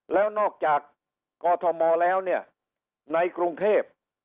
แล้วนอกจากกอทมแล้วเนี่ยในกรุงเทพ